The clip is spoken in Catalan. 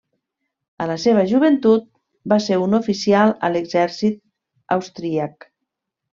A la seva joventut, va ser un oficial a l'exèrcit austríac.